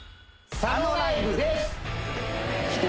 サノライブです。